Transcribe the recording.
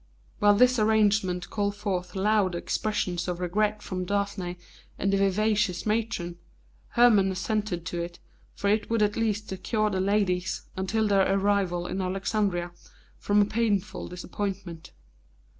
While this arrangement called forth loud expressions of regret from Daphne and the vivacious matron, Hermon assented to it, for it would at least secure the ladies, until their arrival in Alexandria, from a painful disappointment.